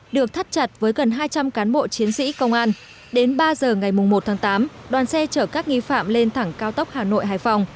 được thắt chặt với gần hai trăm linh cán bộ chiến sĩ công an đến ba giờ ngày một tháng tám đoàn xe chở các nghi phạm lên thẳng cao tốc hà nội hải phòng